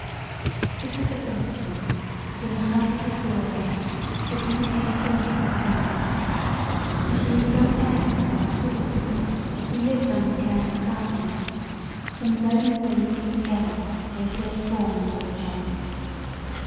It was at this time, in the height of his glory, that he became acquainted with Elinor. She was a young heiress of exquisite beauty who lived under the care of her guardian: from the moment they were seen together they appeared formed for each other.